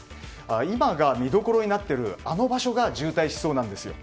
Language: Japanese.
今が見どころになっているあの場所が渋滞しそうなんです。